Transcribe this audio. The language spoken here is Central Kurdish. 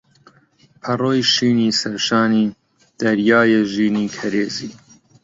پەڕۆی شینی سەرشانی دەریایە ژینی کەرێزی